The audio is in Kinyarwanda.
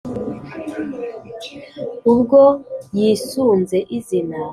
ubwo yisunze izina